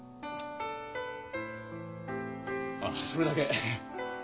あっそれだけ。